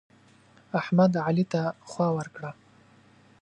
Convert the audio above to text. احمد؛ علي ته خوا ورکړه.